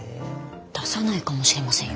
出さないかもしれませんよ？